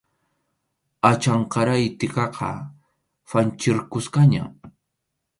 Achanqaray tʼikaqa phanchirqusqaña.